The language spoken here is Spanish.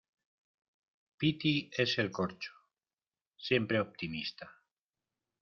piti es el corcho. siempre optimista